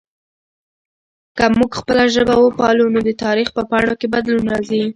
که موږ خپله ژبه وپالو نو د تاریخ په پاڼو کې بدلون راځي.